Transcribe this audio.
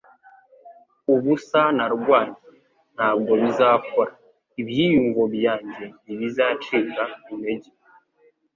Ubusa narwanye. Ntabwo bizakora. Ibyiyumvo byanjye ntibizacika intege.